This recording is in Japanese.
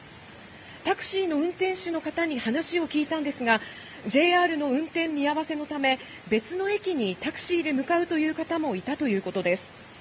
タクシーの運転手の方に話を聞いたんですがＪＲの運転見合わせのため別の駅にタクシーで向かう方もいたということです。